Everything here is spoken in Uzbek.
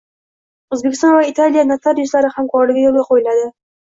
O‘zbekiston va Italiya notariuslari hamkorligi yo‘lga qo‘yiladi